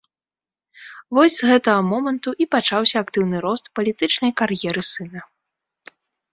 Вось з гэтага моманту і пачаўся актыўны рост палітычнай кар'еры сына.